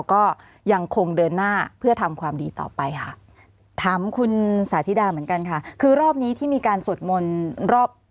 คือรอบนี้ที่มีการสวดมนต์รอบ